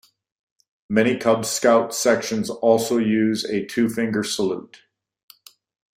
Many Cub Scout sections also use a two-finger salute.